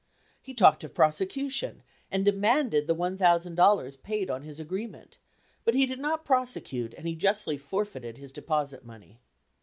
He talked of prosecution, and demanded the $1,000 paid on his agreement, but he did not prosecute, and he justly forfeited his deposit money.